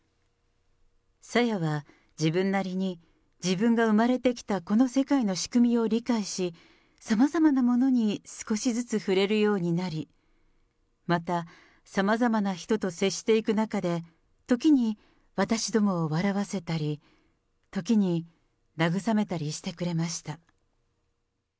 さやは、自分なりに自分が生まれてきたこの世界の仕組みを理解し、さまざまなものに少しずつ触れるようになり、また、さまざまな人と接していく中で、時に、私どもを笑わせたり、時に、慰めたりしてくれました。